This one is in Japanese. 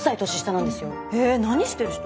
へえ何してる人？